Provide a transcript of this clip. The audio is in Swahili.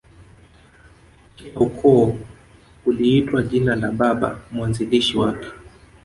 Kila ukoo uliitwa jina la Baba mwanzilishi wake